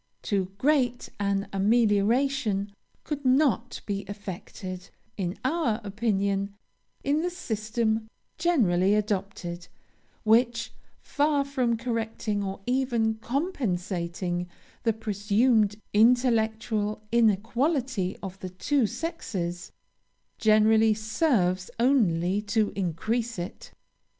Too great an amelioration could not be effected, in our opinion, in the system generally adopted, which, far from correcting or even compensating the presumed intellectual inequality of the two sexes, generally serves only to increase it.